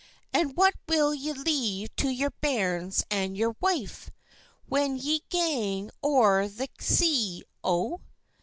And what will ye leave to your bairns and your wife, When ye gang ower the sea, O?"